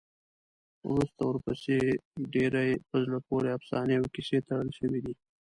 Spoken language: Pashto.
وروسته ورپسې ډېرې په زړه پورې افسانې او کیسې تړل شوي دي.